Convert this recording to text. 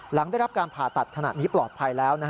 หลังได้รับการผ่าตัดขณะนี้ปลอดภัยแล้ว